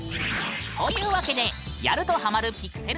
というわけでやるとハマるピクセル